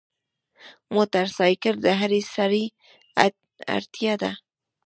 موټرسایکل د هر سړي اړتیا ده.